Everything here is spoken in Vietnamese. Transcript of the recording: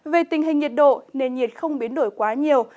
về tình hình nhiệt độ nền nhiệt không biến đổi quá nhiều